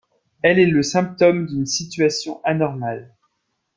Elle est le symptôme d'une situation anormale.